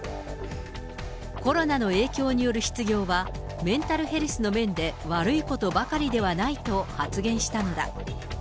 コロナの影響による失業は、メンタルヘルスの面で悪いことばかりではないと発言したのだ。